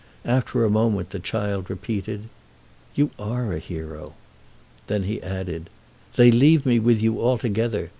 After a moment the child repeated: "You are a hero!" Then he added: "They leave me with you altogether.